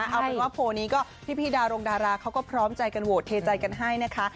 เอาเป็นว่าโพลนี้ก็พี่ดารงดาราเขาก็พร้อมใจกันโหวตเทใจกันให้นะคะ